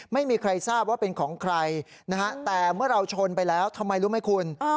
ไม่มีใครทราบว่าเป็นของใครนะฮะแต่เมื่อเราชนไปแล้วทำไมรู้ไหมคุณ